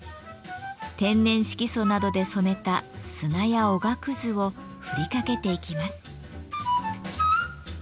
天然色素などで染めた砂やおがくずを振りかけていきます。